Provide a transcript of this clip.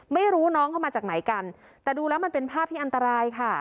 ไม่รู้น้องเข้ามาจากไหนกันแต่ดูแล้วมันเป็นภาพที่อันตรายค่ะ